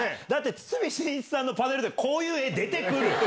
堤真一さんのパネルでこういう絵出て来る？